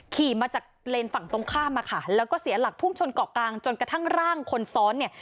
ขี่มาจากเลนส์ฝั่งตรงข้ามอะค่ะแล้วก็เสียหลักพุ่งชนเกาะกลางจนกระทั่งร่างคนซ้อนเนี่ย